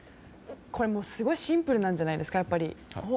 すごいシンプルなんじゃないですか。